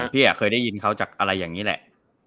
พี่เคยได้ยินเขาจากอะไรอย่างนี้แหละ